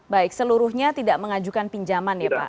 baik seluruhnya tidak mengajukan pinjaman ya pak